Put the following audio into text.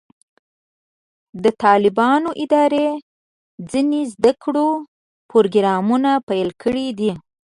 د طالبانو ادارې ځینې زده کړو پروګرامونه پیل کړي دي.